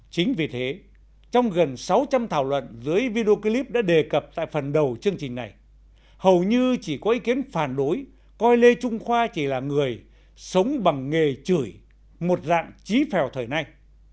chính vì thế trong gần sáu trăm linh thảo luận dưới video clip đã đề cập tại phần đầu chương trình này hầu như chỉ có ý kiến phản đối coi lê trung khoa chỉ là người sống bằng nghề chửi một dạng chí phèo thời nay